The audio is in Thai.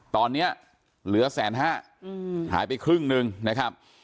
ตอนนี้เหลือแสนห้าหายไปครึ่งหนึ่งนะครับ